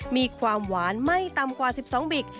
มีความหวานไม่ต่ำกว่า๑๒บิก